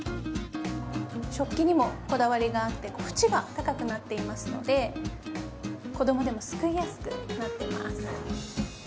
食器にもこだわりがあって縁が高くなっていますので子供でもすくいやすくなっています。